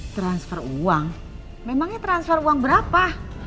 transfer uang memangnya transfer uang berapa